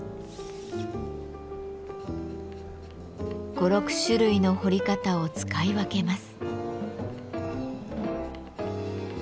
５６種類の彫り方を使い分けます。